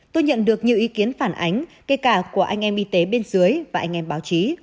tôi nhận được nhiều ý kiến phản ánh kể cả của anh em y tế bên dưới và anh em báo chí